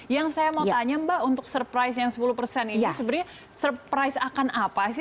yang saya mau tanya mbak untuk surprise yang sepuluh persen itu sebenarnya surprise akan apa sih